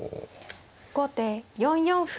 後手４四歩。